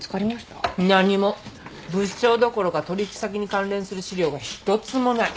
物証どころか取引先に関連する資料が一つもない。